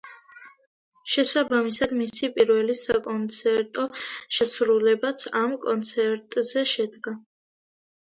შესაბამისად, მისი პირველი საკონცერტო შესრულებაც ამ კონცერტზე შედგა.